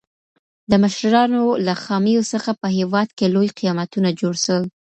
د مشرانو له خامیو څخه په هېواد کي لوی قیامتونه جوړ سول.